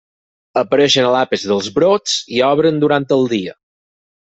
Apareixen a l'àpex dels brots i obren durant el dia.